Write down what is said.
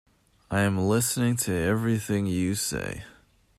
I am listening to everything you say.